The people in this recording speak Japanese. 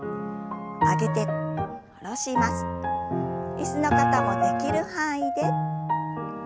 椅子の方もできる範囲で。